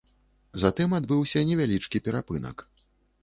Затым адбыўся невялічкі перапынак.